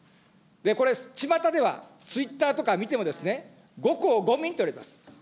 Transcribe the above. これちまたでは、ツイッターとか見ても、５公５民といわれています。